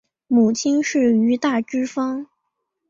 母亲是于大之方。